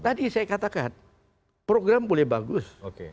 tadi saya katakan program boleh bagus